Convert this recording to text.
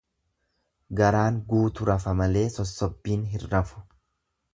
Garaan guutu rafa malee sosobbiin hin rafu.